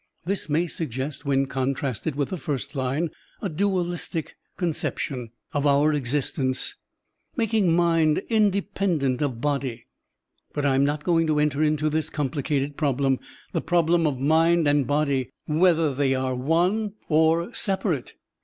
This may suggest, when contrasted with the first line, a dualistic con Digitized by Google 96 SERMONS OF A BUDDHIST ABBOT ception of otir existence, making mind inde pendent of body. But I am not going to enter into this complicated problem, — the prob lem of mind and body, whether they are one or separate.